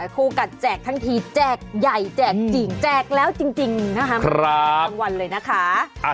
คู่กัดแจกทั้งทีแจกใหญ่แจกจริงแจกแล้วจริงนะคะทั้งวันเลยนะคะ